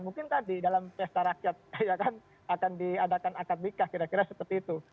mungkin tadi dalam pesta rakyat ya kan akan diadakan akad nikah kira kira seperti itu